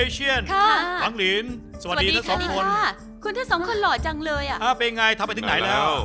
เยเชียร์หลังเลนสวัสดีทั้งสองคนคุณท่าสองคนหล่อจังเลยถ้าเป็นไงเธอไปถึงไหนแล้ว